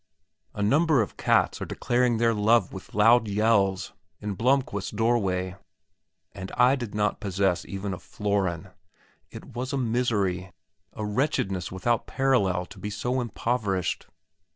A number of cats are declaring their love with loud yells in Blomquist's doorway. And I did not possess even a florin! It was a misery, a wretchedness without parallel to be so impoverished.